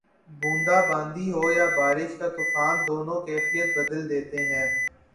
بوندا باندی ہو یا بارش کا طوفان، دونوں کیفیت بدل دیتے ہیں۔